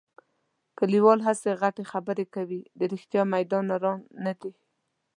کلیوال هسې غټې خبرې کوي. د رښتیا میدان نران نه دي.